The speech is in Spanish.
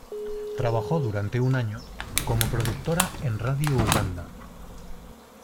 Trabajó durante un año como productora en Radio Uganda.